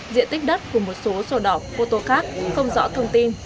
diện tích đất của một số sổ đỏ photo khác không rõ thông tin